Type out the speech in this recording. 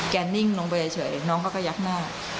แกนิ่งลงไปเลยเฉยน้องก็กระยักหน้า